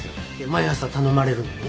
毎朝頼まれるのに？